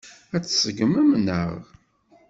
Ad t-tṣeggmem, naɣ?